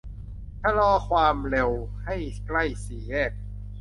ชะลอความเร็วให้ใกล้สี่แยก